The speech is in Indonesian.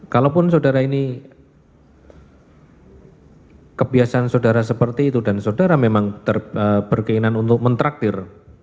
kalaupun saudara ini kebiasaan saudara seperti itu dan saudara memang berkeinginan untuk mentraktir